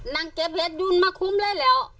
นางเกฟเลสยุนมาคุ้มเลยแล้ว